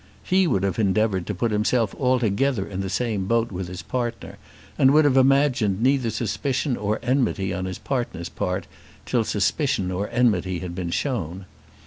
He would have endeavoured to put himself altogether into the same boat with his partner, and would have imagined neither suspicion or enmity on his partner's part till suspicion or enmity had been shown.